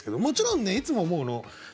もちろんねいつも思うの。